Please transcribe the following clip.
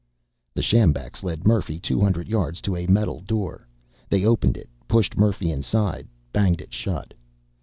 The sjambaks led Murphy two hundred yards to a metal door. They opened it, pushed Murphy inside, banged it shut.